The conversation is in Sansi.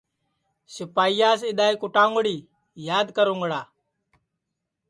سِپائییاس اِدؔا کُٹاؤنگڑی یاد کرُونگڑا